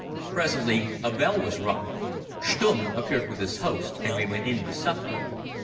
Presently a bell was rung. Stumm appeared with his host, and we went in to supper.